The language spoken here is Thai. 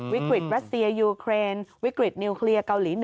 เวกฮิตรัสเซียยูเขร์เวกฮิตนิวเคลียร์เมืองไหน่อง